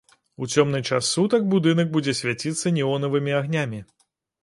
У цёмны час сутак будынак будзе свяціцца неонавымі агнямі.